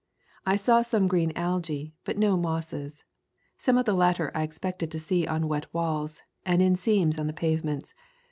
I saw some green alge, but no mosses. Some of the latter I expected to see on wet walls, and in seams on the pavements.